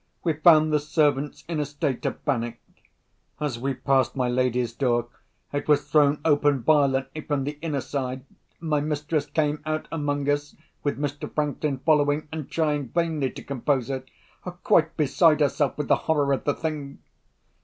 We found the servants in a state of panic. As we passed my lady's door, it was thrown open violently from the inner side. My mistress came out among us (with Mr. Franklin following, and trying vainly to compose her), quite beside herself with the horror of the thing.